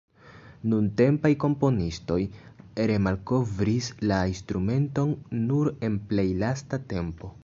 Nuntempaj komponistoj remalkovris la instrumenton nur en plej lasta tempo.